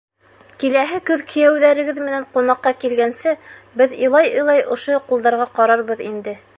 — Киләһе көҙ кейәүҙәрегеҙ менән ҡунаҡҡа килгәнсе, беҙ илай-илай ошо ҡулдарға ҡарарбыҙ инде.